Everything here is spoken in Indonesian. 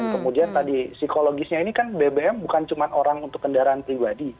kemudian tadi psikologisnya ini kan bbm bukan cuma orang untuk kendaraan pribadi